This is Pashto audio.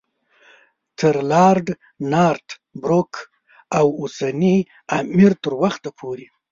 تر لارډ نارت بروک او اوسني امیر تر وخته پورې.